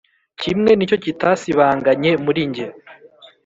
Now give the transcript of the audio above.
Kimwe nicyo kitasibanganye muri njye